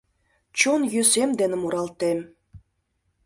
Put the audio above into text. Чон йӧсем ден муралтем.